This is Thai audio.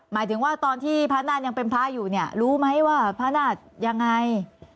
หมายถึงว่าตอนที่พระนาฏยังเป็นพระอยู่เนี่ยรู้ไหมว่าพระนาฏยังไง